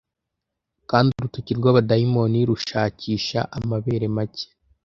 kandi urutoki rw'abadayimoni rushakisha amabere make